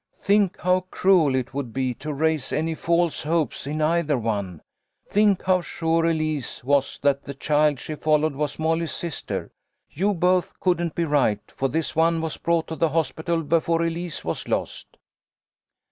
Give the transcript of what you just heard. " Think how cruel it would be to raise any false hopes in either one. Think how sure Elise was that the child she followed was Molly's sister. You both couldn't be right, for this one was brought to the hospital before Elise was lost."